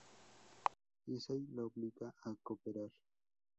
Giselle lo obliga a cooperar.